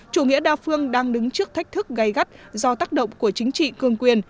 chủ nghĩa đa phương đang đứng trước thách thức gây gắt do tác động của chính trị cương quyền